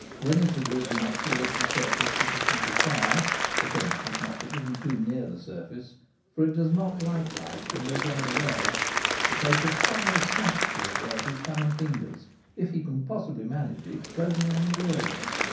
When it has risen up towards the surface sufficiently far — the tench must not be driven too near the surface, for it does not like light and will glide away — the poacher suddenly snaps as it were ; his thumb and fingers, if he possibly can manage it, closing on the gills.